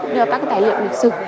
đưa các tài liệu lịch sử